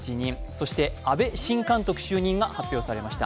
そして阿部新監督就任が発表されました。